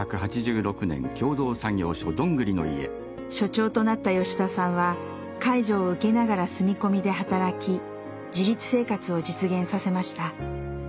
所長となった吉田さんは介助を受けながら住み込みで働き自立生活を実現させました。